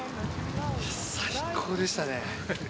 最高でしたね。